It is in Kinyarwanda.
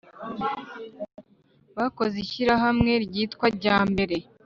bakoze ishyirahamwe ryitwa jyambere